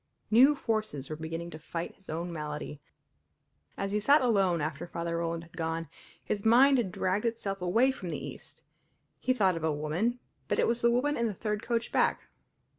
New forces were beginning to fight his own malady. As he sat alone after Father Roland had gone, his mind had dragged itself away from the East; he thought of a woman, but it was the woman in the third coach back.